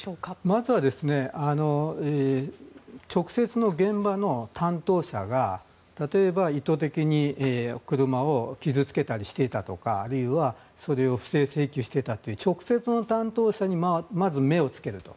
まずは直接の現場の担当者が例えば意図的に車を傷付けたりとかしていたとかあるいはそれを不正請求していたという直接の担当者にまず目をつけると。